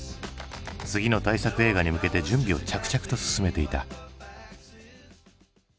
次の大作映画に向けて準備を着々と進めていた。